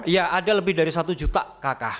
ya ada lebih dari satu juta kakak